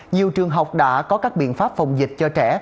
nhiều trường học đã có các biện pháp phòng dịch cho trẻ